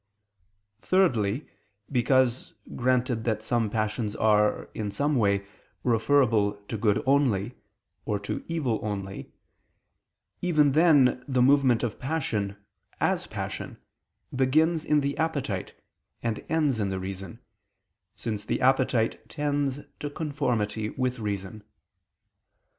Thirdly, because, granted that some passions are, in some way, referable to good only, or to evil only; even then the movement of passion, as passion, begins in the appetite, and ends in the reason, since the appetite tends to conformity with reason.